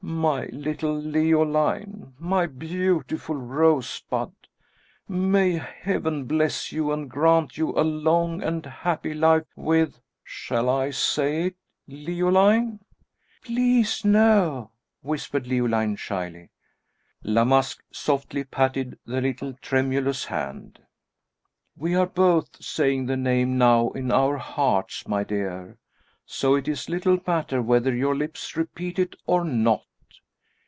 "My little Leoline! my beautiful rosebud! May Heaven bless you and grant you a long and happy life with shall I say it, Leoline?" "Please no!" whispered Leoline, shyly. La Masque softly patted the little tremulous hand. "We are both saying the name now in our hearts, my dear, so it is little matter whether our lips repeat it or not.